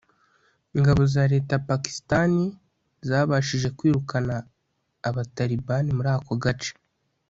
ingabo za leta ya pakistani zabashije kwirukana abatalibani muri ako gace